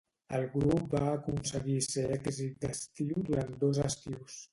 El grup va aconseguir ser èxit d'estiu durant dos estius.